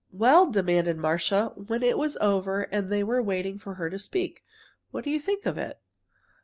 "Well," demanded Marcia, when it was over and they were waiting for her to speak, "what do you think of it?"